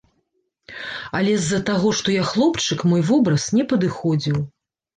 Але з-за таго, што я хлопчык, мой вобраз не падыходзіў.